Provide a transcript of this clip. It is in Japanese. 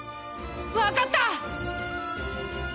わかった！